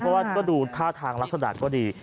เพราะว่าก็ดูท่าทางลักษณะก็ดี